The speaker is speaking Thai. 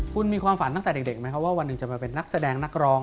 แหลกใช้ไม่เอา